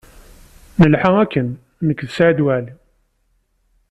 Nelḥa akken nekk d Saɛid Waɛli.